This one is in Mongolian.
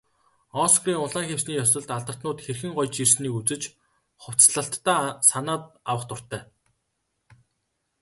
Оскарын улаан хивсний ёслолд алдартнууд хэрхэн гоёж ирснийг үзэж, хувцаслалтдаа санаа авах дуртай.